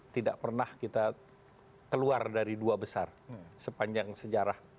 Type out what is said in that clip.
tidak pernah kita keluar dari dua besar sepanjang sejarah